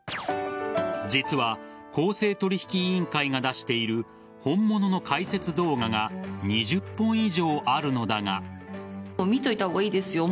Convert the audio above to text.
実は公正取引委員会が出している本物の解説動画が２０本以上あるのだが。